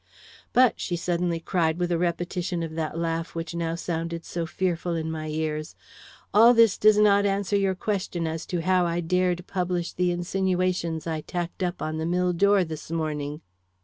But " she suddenly cried, with a repetition of that laugh which now sounded so fearful in my ears "all this does not answer your question as to how I dared publish the insinuations I tacked up on the mill door this morning."